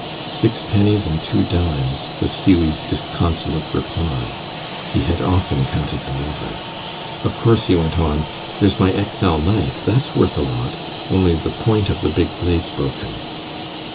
"Six pennies and two dimes," was Hughie's disconsolate reply. He had often counted them over. "Of course," he went on, "there's my XL knife. That's worth a lot, only the point of the big blade's broken."